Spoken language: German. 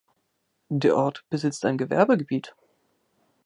Der Ort besitzt ein Gewerbegebiet.